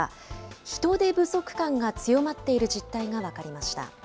人手不足感が強まっている実態が分かりました。